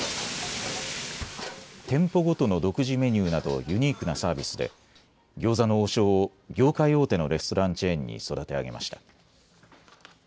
店舗ごとの独自メニューなどユニークなサービスで餃子の王将を業界大手のレストランチェーンに育て上げました。